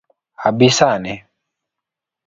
Abi sani?